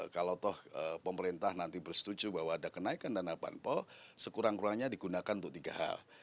kalau toh pemerintah nanti bersetuju bahwa ada kenaikan dana banpol sekurang kurangnya digunakan untuk tiga hal